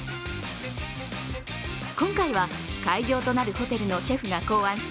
今回は会場となるホテルのシェフが考案した